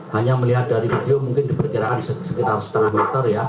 hanya melihat dari video mungkin diperkirakan sekitar setengah meter ya